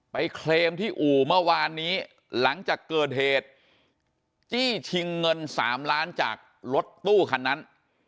เคลมที่อู่เมื่อวานนี้หลังจากเกิดเหตุจี้ชิงเงิน๓ล้านจากรถตู้คันนั้น